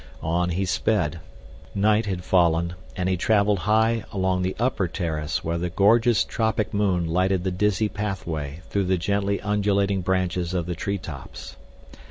On he sped. Night had fallen and he traveled high along the upper terrace where the gorgeous tropic moon lighted the dizzy pathway through the gently undulating branches of the tree tops.